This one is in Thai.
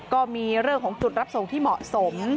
ก็มีเรื่องของจุดรับส่งที่เหมาะสม